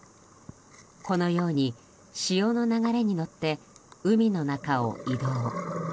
このように潮の流れに乗って海の中を移動。